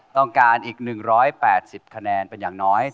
ต้องการอีก๑๘๐คะแนนเป็นอย่างน้อย